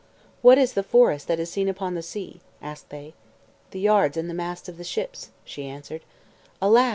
"What is the forest that is seen upon the sea?" asked they. "The yards and the masts of ships," she answered. "Alas!"